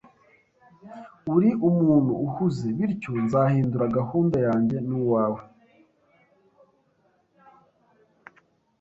Uri umuntu uhuze, bityo nzahindura gahunda yanjye nuwawe